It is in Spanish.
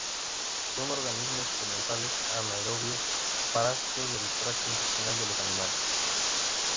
Son organismos comensales anaerobios, parásitos del tracto intestinal de los animales.